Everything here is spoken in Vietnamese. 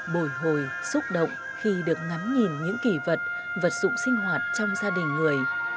bồi hồi xúc động khi được ngắm nhìn những kỳ vật vật dụng sinh hoạt trong gia đình người